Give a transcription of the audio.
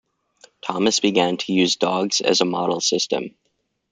Thomas began to use dogs as a model system.